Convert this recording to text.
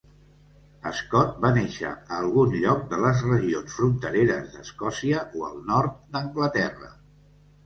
Scot va néixer a algun lloc de les regions frontereres d'Escòcia o el nord d'Anglaterra.